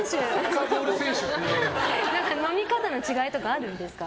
飲み方の違いとかあるんですか。